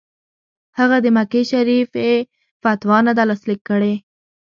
هغه د مکې شریف فتوا نه ده لاسلیک کړې.